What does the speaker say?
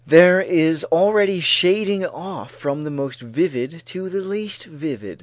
There is a steady shading off from the most vivid to the least vivid.